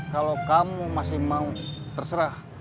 kalau kamu masih mau terserah